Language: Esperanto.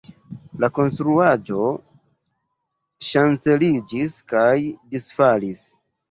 La konstruaĵo ŝanceliĝis kaj disfalis.